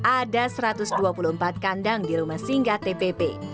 ada satu ratus dua puluh empat kandang di rumah singgah tpp